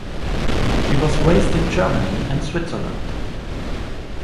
She was raised in Germany and Switzerland.